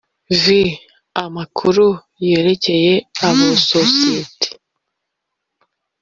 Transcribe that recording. Vii amakuru yerekeye abo sosiyete